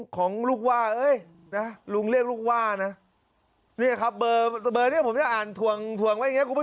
ของลูกว่าเอ๊ยนะลุงเรียกลูกว่านะนี่ค่ะเบอร์เบอร์เนี้ยผมจะอ่านถ่วงถ่วงไว้อย่างเงี้ย